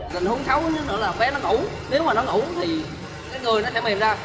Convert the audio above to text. tình huống xấu chứ nữa là bé nó ngủ nếu mà nó ngủ thì người nó sẽ mềm ra